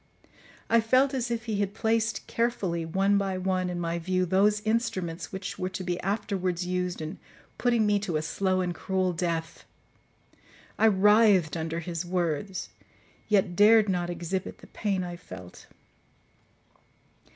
I felt as if he had placed carefully, one by one, in my view those instruments which were to be afterwards used in putting me to a slow and cruel death. I writhed under his words, yet dared not exhibit the pain I felt.